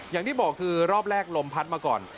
อย่างที่บอกคือรอบแรกลมพัดมาก่อน